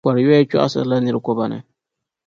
kɔr’ yoya chɔɣisirila nir’ kɔba ni.